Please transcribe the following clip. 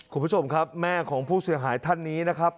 คุณผู้ชมครับแม่ของผู้เสียหายท่านนี้นะครับ